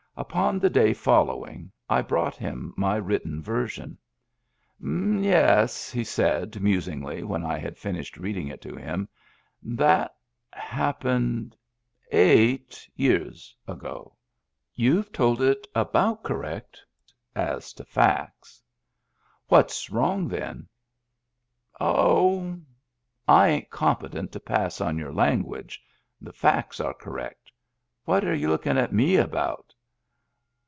Upon the day following I brought him my written version. " Yes," he said musingly, when I had finished reading it to him, "that — happened — eight — years — ago. You've told it about correct — as to facts." "What's wrong, then?" " Oh — I ain't competent to pass on your language. The facts are correct What are you lookin' at me about?"